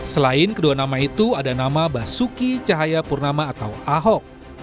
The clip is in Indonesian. selain kedua nama itu ada nama basuki cahayapurnama atau ahok